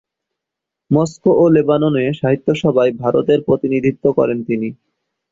Moscow ও লেবাননে সাহিত্যসভায় ভারতের প্রতিনিধিত্ব করেন তিনি।